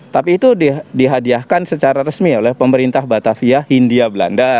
tapi itu dihadiahkan secara resmi oleh pemerintah batavia hindia belanda